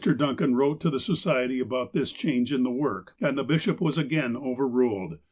Duncan wrote to the Society about this change in the work, and the bishop was again overruled.